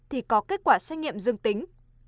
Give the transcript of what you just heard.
thì có kết quả xét nghiệm dương tính